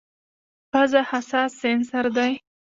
پزه حساس سینسر دی.